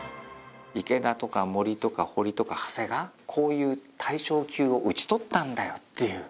池田とか森とか堀とか長谷川「こういう大将級を討ち取ったんだよ」っていう。